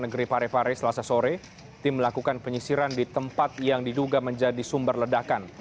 negeri parepare selasa sore tim melakukan penyisiran di tempat yang diduga menjadi sumber ledakan